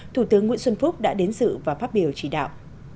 thủ tướng nguyễn xuân phúc đã đến dự và phát biểu chỉ đạo